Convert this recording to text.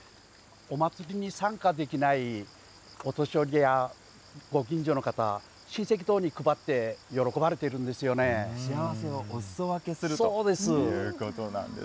お祭りに参加できないお年寄りやご近所の方、親戚等に配って、幸せをおすそ分けするというそうです。